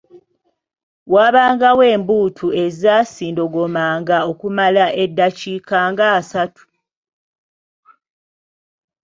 Waabangawo embuutu ezaasindogomanga okumala eddakiika ng’asatu.